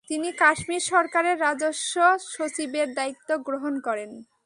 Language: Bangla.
তিনি কাশ্মীর সরকারের রাজস্ব সচিবের দায়িত্ব গ্রহণ করেন।